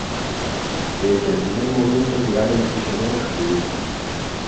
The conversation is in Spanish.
Desde el primer momento llegaron prisioneros judíos.